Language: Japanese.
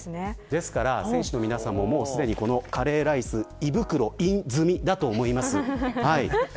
ですから選手の皆さんもカレーライス胃袋イン済みだと思います。